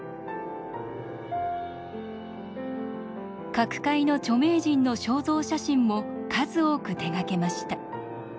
各界の著名人の肖像写真も数多く手がけました。